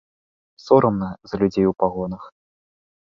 Сорамна за людзей у пагонах.